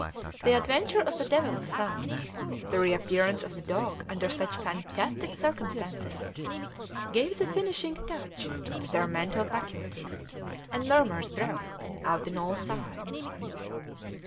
The adventure of the Devil's Thumb, the reappearance of the dog under such fantastic circumstances, gave the finishing touch to their mental faculties, and murmurs broke out on all sides.